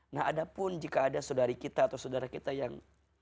nah ada pun jika ada saudari kita atau saudara kita yang